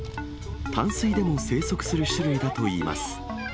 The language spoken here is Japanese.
淡水でも生息する種類だといいます。